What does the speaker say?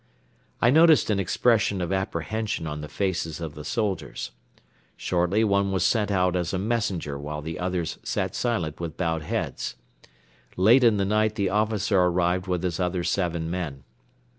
I noticed an expression of apprehension on the faces of the soldiers. Shortly one was sent out as a messenger while the others sat silent with bowed heads. Late in the night the officer arrived with his other seven men.